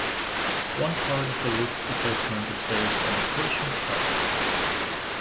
One part of the risk assessment is based on the patients' health.